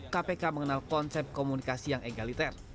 kpk mengenal konsep komunikasi yang egaliter